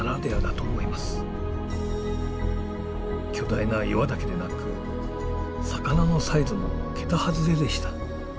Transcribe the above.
巨大な岩だけでなく魚のサイズも桁外れでした。